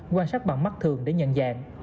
quan sát bằng mắt thường để nhận dạng